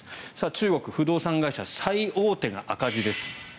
中国、不動産会社最大手が赤字です。